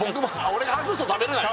俺が外すと食べれないの？